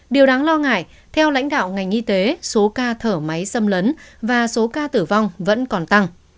điều đáng lo ngại theo lãnh đạo ngành y tế số ca thở máy xâm lấn và số ca tử vong vẫn còn tăng